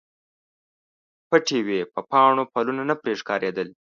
پټې وې په پاڼو، پلونه نه پرې ښکاریدل